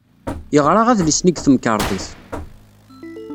Yeɣra adlis-nni deg temkarḍit.